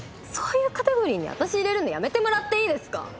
そういうカテゴリーに私入れるのやめてもらっていいですか！